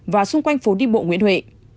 và xung quanh phố đi bộ nguyễn huệ